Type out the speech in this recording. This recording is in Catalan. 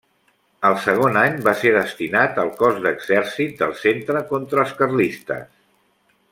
Al segon any va ser destinat al cos d'exèrcit del centre contra els carlistes.